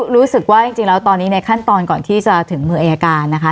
รู้สึกว่าจริงแล้วตอนนี้ในขั้นตอนก่อนที่จะถึงมืออายการนะคะ